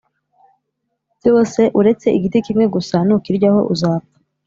byose uretse igiti kimwe gusa Nukiryaho uzapfa